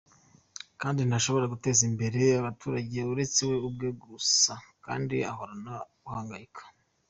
kandi ntashobora guteza imbere abaturage, uretse we ubwe gusa kdi agahorana guhangayika.